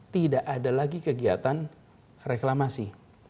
tidak ada lagi kegiatan reklamasi